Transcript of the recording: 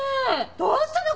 どうしたの？